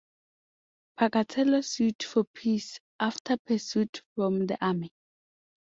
Pocatello sued for peace after pursuit from the Army.